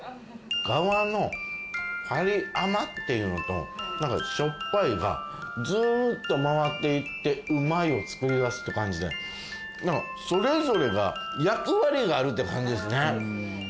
側のパリ甘っていうのとしょっぱいがずっと回っていってうまいをつくりだすって感じで何かそれぞれが役割があるって感じですね。